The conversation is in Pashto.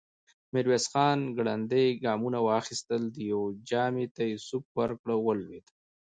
ميرويس خان ګړندي ګامونه واخيستل، د يوه ژامې ته يې سوک ورکړ، ولوېد.